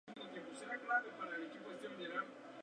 Yo my dude what it is?